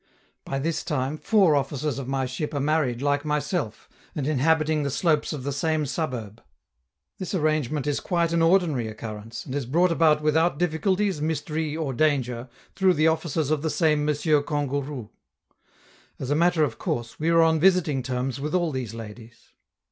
By this time, four officers of my ship are married like myself, and inhabiting the slopes of the same suburb. This arrangement is quite an ordinary occurrence, and is brought about without difficulties, mystery, or danger, through the offices of the same M. Kangourou. As a matter of course, we are on visiting terms with all these ladies.